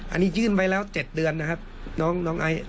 อันนี้ยื่นไว้แล้ว๗เดือนนะครับน้องไอซ์